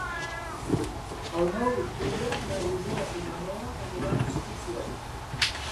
El nou d'octubre na Rosó i na Noa aniran d'excursió.